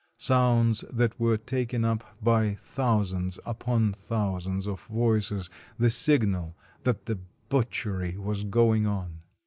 sounds that were taken up by thousands upon thou sands of voices — the signal that the butchery was going on.